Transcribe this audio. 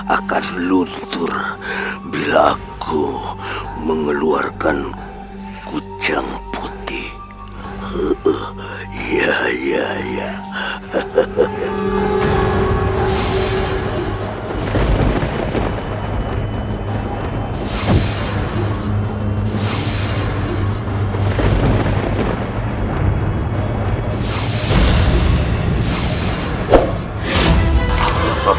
ajar lagi lagi kau pergi dariku sorowisesa